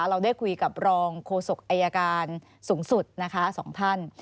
เราได้คุยกับรองโฆษกอายการสูงสุดนะคะสองท่าน